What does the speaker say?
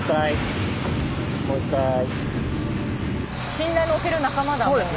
信頼のおける仲間だもう。